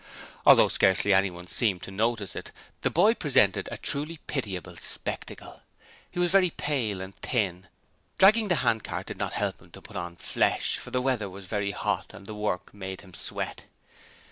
Although scarcely anyone seemed to notice it, the boy presented a truly pitiable spectacle. He was very pale and thin. Dragging the handcart did not help him to put on flesh, for the weather was very hot and the work made him sweat.